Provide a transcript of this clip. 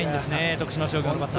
徳島商業のバッター。